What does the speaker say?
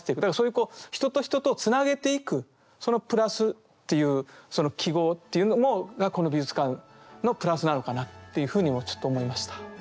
だからそういう人と人とをつなげていくその「プラス」っていうその記号というのがこの美術館の「プラス」なのかなっていうふうにもちょっと思いました。